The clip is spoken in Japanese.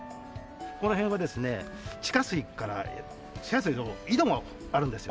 この辺はですね地下水から地下水の井戸があるんですよ。